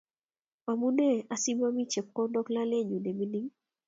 Amune asimomi chepkondok lalenyu ne mining?